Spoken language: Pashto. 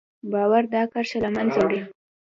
باور دا کرښه له منځه وړي.